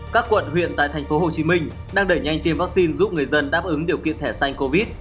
các quận huyện tại thành phố hồ chí minh đang đẩy nhanh tiêm vaccine giúp người dân đáp ứng điều kiện thẻ xanh covid